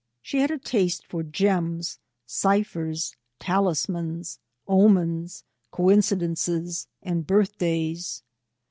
She had a taste for gems, ciphers, talismans, omens, coincidences, and birth days.